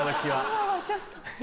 今はちょっと。